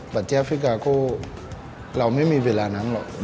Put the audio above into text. แต่ที่อาฟิกาเราไม่มีเวลานั้นหรอก